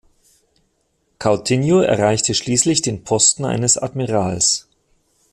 Coutinho erreichte schließlich den Posten eines Admirals.